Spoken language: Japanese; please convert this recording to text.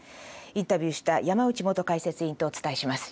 インタビューした山内元解説員とお伝えします。